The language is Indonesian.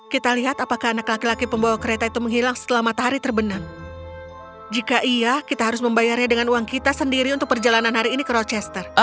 kita lihat apakah anak laki laki pembawa kereta itu menghilang setelah matahari terbenam jika iya kita harus membayarnya dengan uang kita sendiri untuk perjalanan hari ini ke rochester